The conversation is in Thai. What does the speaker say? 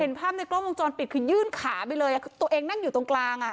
ภาพในกล้องวงจรปิดคือยื่นขาไปเลยตัวเองนั่งอยู่ตรงกลางอ่ะ